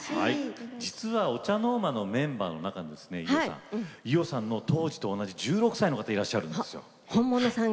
実はＯＣＨＡＮＯＲＭＡのメンバーの中に伊代さんとと同じ１６歳で本物さんがいらっしゃる。